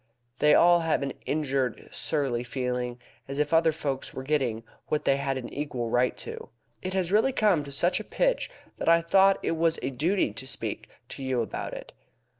They all have an injured, surly feeling as if other folk were getting what they had an equal right to. It has really come to such a pitch that I thought it was a duty to speak to you about it.